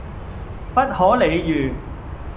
不可理喻